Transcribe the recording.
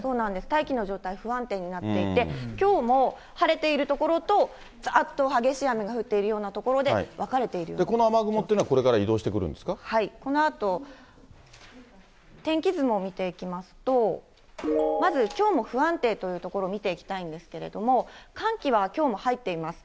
大気の状態不安定になっていて、きょうも晴れている所と、ざーっと激しい雨が降っているような所この雨雲というのは、これかはい、このあと天気図も見ていきますと、まずきょうも不安定という所見ていきたいんですけれども、寒気はきょうも入っています。